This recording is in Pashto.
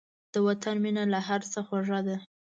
د وطن مینه له هر څه خوږه ده.